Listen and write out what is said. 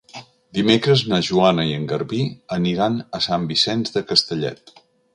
Dimecres na Joana i en Garbí aniran a Sant Vicenç de Castellet.